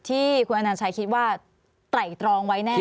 ที่คุณอนัญชัยคิดว่าไตรตรองไว้แน่